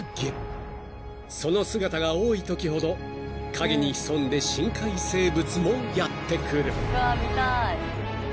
［その姿が多いときほど陰に潜んで深海生物もやって来る］